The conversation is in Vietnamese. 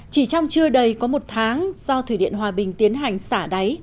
chỉ trong chưa đầy có một tháng do thủy điện hòa bình tiến hành xả đáy